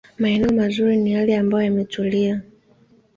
Maeneo mazuri ni yale ambayo yametulia